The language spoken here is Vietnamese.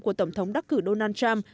của tổng thống đắc cử donald trump